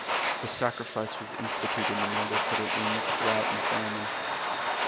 The sacrifice was instituted in order to put an end to drought and famine.